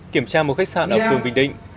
kiểm tra một khách sạn ở phường bình định